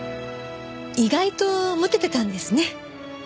意外とモテてたんですね。